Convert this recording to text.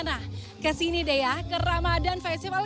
nah kesini deh ya ke ramadan festival